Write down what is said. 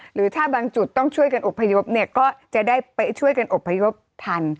หรือถ้าบางจุดต้องช่วยกันอบพยพเนี่ยก็จะได้ไปช่วยกันอบพยพทัน